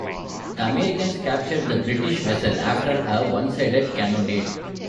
The Americans captured the British vessel after a one-sided cannonade.